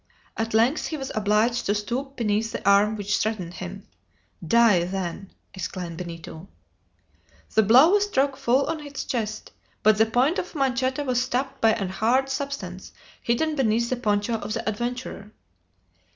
At length he was obliged to stoop beneath the arm which threatened him. "Die, then!" exclaimed Benito. The blow was struck full on its chest, but the point of the manchetta was stopped by a hard substance hidden beneath the poncho of the adventurer.